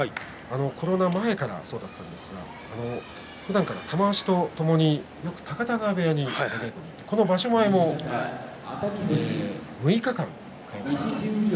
コロナ前からそうだったんですがふだん玉鷲と一緒に、よく高田川部屋に行ってるんですがこの場所前も６日間行ってました。